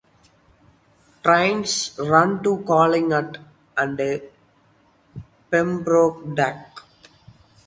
Trains run to calling at and Pembroke Dock.